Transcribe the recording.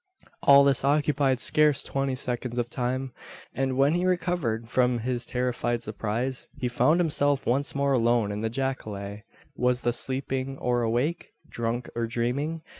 All this occupied scarce twenty seconds of time; and when he had recovered from his terrified surprise, he found himself once more alone in the jacale! Was the sleeping, or awake? Drunk, or dreaming?